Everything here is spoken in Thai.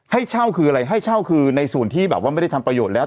ให้เช่าคืออะไรให้เช่าคือในส่วนที่แบบว่าไม่ได้ทำประโยชน์แล้ว